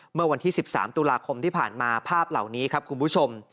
เมื่อวันที่๑๓ตุลาคมที่ผ่านมาภาพเหล่านี้ครับคุณผู้ชม